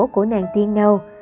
của nàng tiên nâu